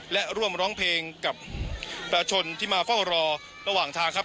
และร่วมร้องเพลงกับประชาชนที่มาเฝ้ารอระหว่างทางครับ